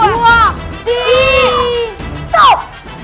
eh jangan pakai itu